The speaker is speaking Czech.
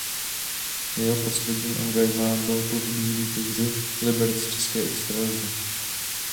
Jeho posledním angažmá byl klub Bílí Tygři Liberec v české extralize.